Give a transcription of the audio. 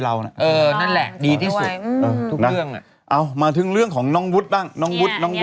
เอามาเรื่องของน้องวุฒิบ้าง